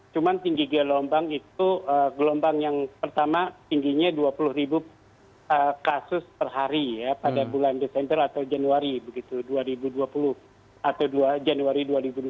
cuma tinggi gelombang itu gelombang yang pertama tingginya dua puluh ribu kasus per hari ya pada bulan desember atau januari dua ribu dua puluh atau dua januari dua ribu dua puluh